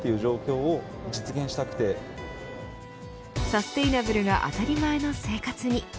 サステイナブルが当たり前の生活に。